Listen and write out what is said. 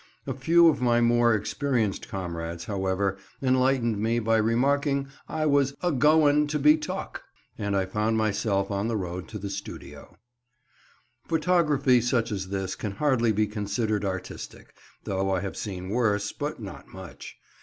A few of my more experienced comrades, however, enlightened me by remarking I was "a goin' to be tuk," and I found myself on the road to the studio. [Picture: "Negatives kept."] Photography such as this can hardly be considered artistic, though I have seen worse, but not much.